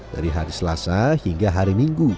dari hari selasa hingga hari minggu